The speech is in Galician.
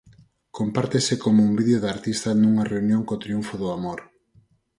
Compártese como un vídeo da artista nunha reunión co triunfo do amor.